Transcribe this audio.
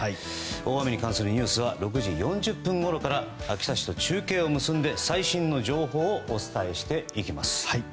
大雨に関するニュースは６時４０分ごろから秋田市と中継を結んで最新の情報をお伝えしていきます。